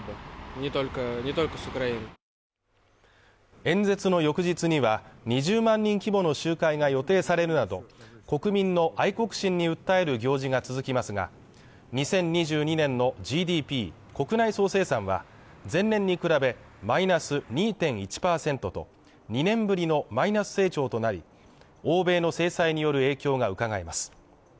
演説の翌日には２０万人規模の集会が予定されるなど、国民の愛国心に訴える行事が続きますが、２０２２年のＧＤＰ＝国内総生産は、前年に比べマイナス２．１％と２年ぶりのマイナス成長となり、欧米の制裁による影響がうかがえます。